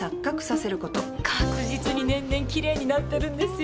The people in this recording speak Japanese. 確実に年々きれいになってるんですよ